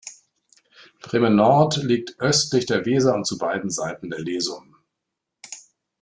Bremen-Nord liegt östlich der Weser und zu beiden Seiten der Lesum.